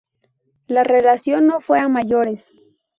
La relación no fue a mayores.